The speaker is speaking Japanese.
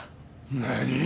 何？